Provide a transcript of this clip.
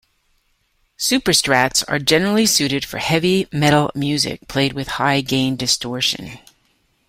Superstrats are generally suited for heavy metal music played with high-gain distortion.